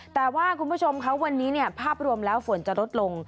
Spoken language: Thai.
แต่ว่าคุณผู้ชมค่ะวันนี้เนี่ยภาพรวมแล้วฝนจะลดลง